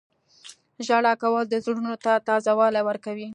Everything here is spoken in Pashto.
• ژړا کول د زړونو ته تازه والی ورکوي.